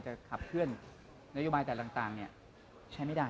จะขับเคลื่อนนโยบายแต่ต่างใช้ไม่ได้